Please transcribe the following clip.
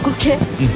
うん。